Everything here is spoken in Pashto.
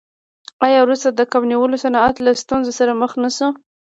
آیا وروسته د کب نیولو صنعت له ستونزو سره مخ نشو؟